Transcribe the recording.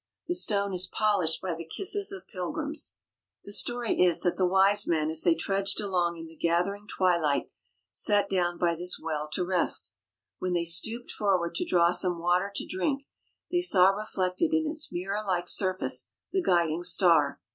The stone is polished by the kisses of pilgrims. The story is that the Wise Men as they trudged along in the gathering twilight sat down by this well to rest. When they stooped forward to draw some water to drink, they saw reflected in its mirror like surface the guiding Star.